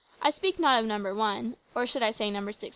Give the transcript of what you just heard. I speak not of number one or, I should say Number 666.